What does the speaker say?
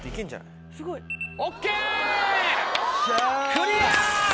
クリア！